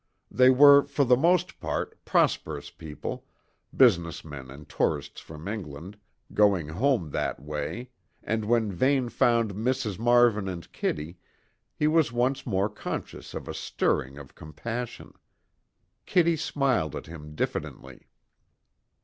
They were, for the most part, prosperous people, business men and tourists from England, going home that way, and when Vane found Mrs. Marvin and Kitty, he was once more conscious of a stirring of compassion. Kitty smiled at him diffidently.